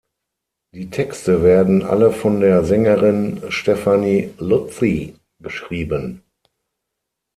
Die Texte werden alle von der Sängerin Stephanie Luzie geschrieben.